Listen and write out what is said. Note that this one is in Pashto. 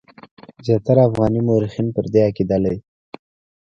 زیاتره افغاني مورخین پر دې عقیده دي.